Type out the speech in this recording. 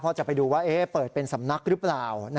เพราะจะไปดูว่าเปิดเป็นสำนักหรือเปล่า